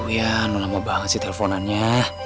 iyan lama banget sih telfonannya